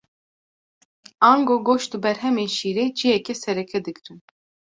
Ango goşt û berhemên şîrê cihekê sereke digirin.